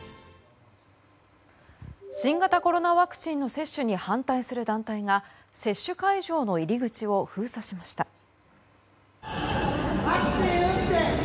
新型コロナワクチンの接種に反対する団体が接種会場の入り口を封鎖しました。